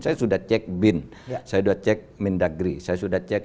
saya sudah cek bin saya sudah cek